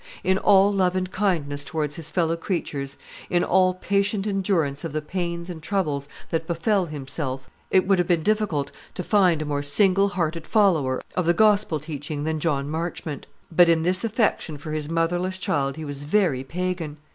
In all love and kindness towards his fellow creatures, in all patient endurance of the pains and troubles that befel himself, it would have been difficult to find a more single hearted follower of Gospel teaching than John Marchmont; but in this affection for his motherless child he was a very Pagan.